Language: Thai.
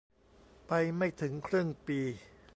ไปไม่ถึงครึ่งปี